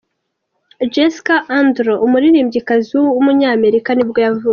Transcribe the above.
Jessica Andrews, umuririmbyikazi w’umunyamerika nibwo yavutse.